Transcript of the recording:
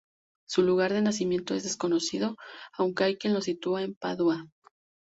Su lugar de nacimiento es desconocido, aunque hay quien lo sitúa en Padua.